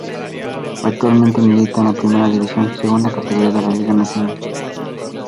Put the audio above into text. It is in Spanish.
Actualmente milita en la Primera División, segunda categoría de la liga nacional.